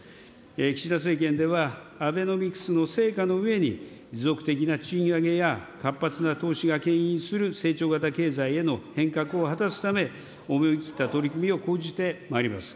岸田政権では、アベノミクスの成果の上に、持続的な賃上げや活発な投資がけん引する成長型経済への変革を果たすため思い切った取り組みを講じてまいります。